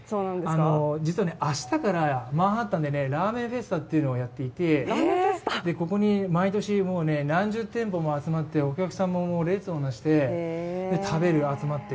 実は明日からマンハッタンでラーメンフェスタっていうのをやっててここに毎年、何十店舗も集まって、お客さんも列をなして、食べる、集まって。